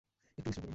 একটু বিশ্রাম করুন।